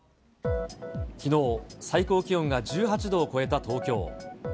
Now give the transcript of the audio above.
きのう、最高気温が１８度を超えた東京。